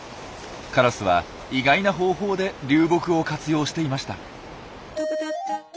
カラスは意外な方法で流木を活用していました。